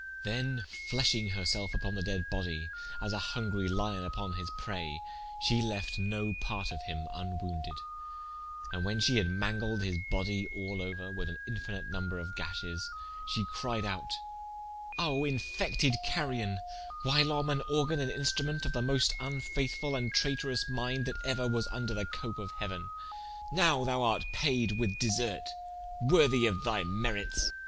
Then fleashing her selfe vpon the dead body, as a hungry lion vpon his praye, she lefte no parte of him vnwounded: and when shee had mangled his bodye all ouer, with an infinite number of gashes, she cried out: "O infected carrion, whilom an organ and instrumente of the moste vnfaithfull and trayterous minde that euer was vnder the coape of heauen. Nowe thou art payed with deserte, worthy of thy merites!"